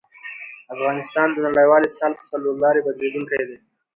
افغانستان د نړیوال اتصال په څلورلاري بدلېدونکی دی.